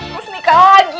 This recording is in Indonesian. terus nikah lagi